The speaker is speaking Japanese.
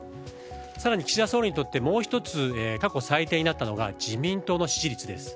更に、岸田総理にとってもう１つ、過去最低になったのが自民党の支持率です。